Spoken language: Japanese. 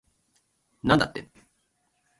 なんだって